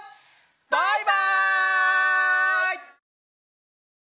バイバイ！